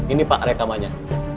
ini pak rekamannya